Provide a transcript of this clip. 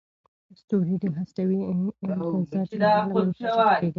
ستوري د هستوي امتزاج له امله منفجر کېږي.